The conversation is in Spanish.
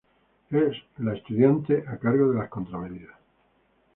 Es la estudiante a cargo de las contramedidas.